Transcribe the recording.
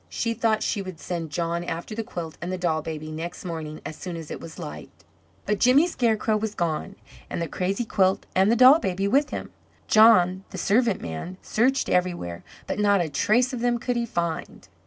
She thought she would send John after the quilt and the doll baby next morning as soon as it was light. But Jimmy Scarecrow was gone, and the crazy quilt and the doll baby with him. John, the servant man, searched everywhere, but not a trace of them could he find.